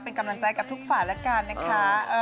เป็นกำลังใจกับทุกฝ่ายแล้วกันนะคะ